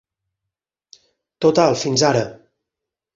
Total, fins ara.